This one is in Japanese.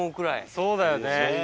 そうだよね。